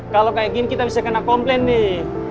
kalau kayak gini kita bisa kena komplain nih